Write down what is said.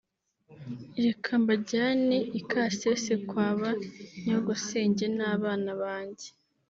reka mbajyane i Kasese kwa ba nyogosenge n’abana banjye